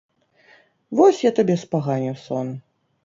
Вось я табе спаганю сон!